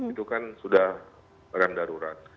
itu kan sudah rem darurat